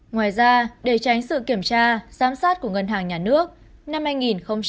ngoài ra để tránh sự kiểm tra giám sát của ngân hàng nhà nước